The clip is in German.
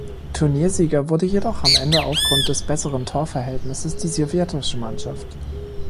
Turniersieger wurde jedoch am Ende aufgrund des besseren Torverhältnisses die sowjetische Mannschaft.